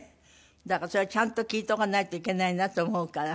だからそれはちゃんと聞いておかないといけないなと思うから。